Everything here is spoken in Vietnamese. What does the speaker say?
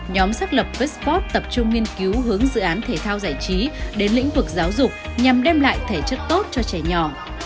nhóm xác lập westport tập trung nghiên cứu hướng dự án thể thao giải trí đến lĩnh vực giáo dục nhằm đem lại thể chất tốt cho trẻ nhỏ